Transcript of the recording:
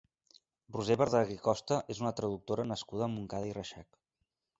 Roser Berdagué Costa és una traductora nascuda a Montcada i Reixac.